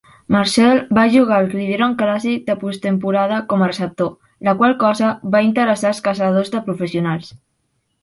Marshall va jugar el Gridiron Classic de posttemporada com a receptor, la qual cosa va interessar els caçadors de professionals.